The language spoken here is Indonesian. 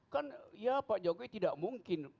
kan ya pak jokowi tidak mungkin